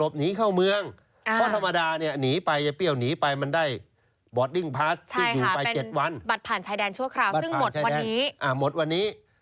บัตรผ่านชายแดนอ่ะหมดวันนี้